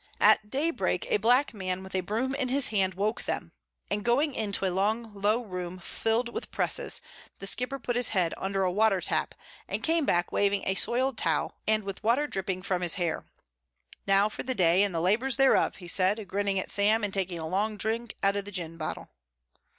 At daybreak a black man with a broom in his hand woke them, and going into a long low room filled with presses The Skipper put his head under a water tap and came back waving a soiled towel and with water dripping from his hair. "Now for the day and the labours thereof," he said, grinning at Sam and taking a long drink out of the gin bottle.